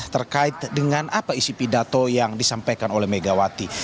terkait dengan apa isi pidato yang disampaikan oleh megawati